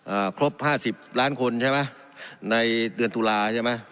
อ่าครบห้าสิบล้านคนใช่ไหมในเดือนตุลาใช่ไหม